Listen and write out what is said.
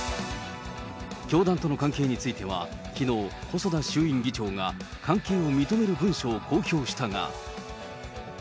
教団との関係については、きのう、細田衆院議長が関係を認める文書を公表したが。